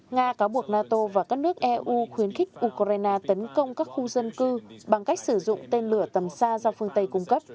nga cáo buộc nato và các nước eu khuyến khích ukraine tấn công các khu dân cư bằng cách sử dụng tên lửa tầm xa do phương tây cung cấp